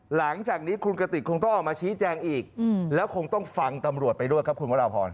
หลังจากนี้คุณกติกคงต้องออกมาชี้แจงอีกแล้วคงต้องฟังตำรวจไปด้วยครับคุณวราพร